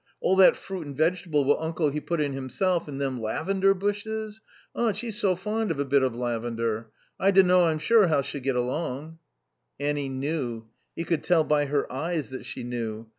All that fruit and vegetable what uncle he put in himself, and them lavender bushes. Aunt, she's so fond of a bit of lavender. I dunnow I'm sure how she'll get along." Annie knew. He could tell by her eyes that she knew.